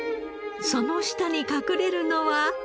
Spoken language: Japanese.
その下に隠れるのは。